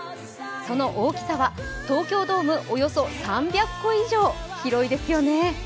その大きさは東京ドームおよそ３００個以上広いですよね。